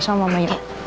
sama mama yuk